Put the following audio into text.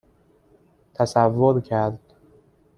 تصور کرد